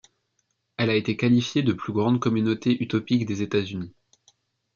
Elle a été qualifiée de plus grande communauté utopique des États-Unis.